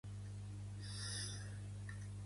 El nou nom de l'emissora era Mix Megapol Radio City.